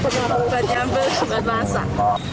rencana buat nyambel buat masak